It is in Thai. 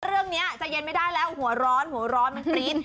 เรื่องนี้จะเย็นไม่ได้แล้วหัวร้อนมันปรี๊ด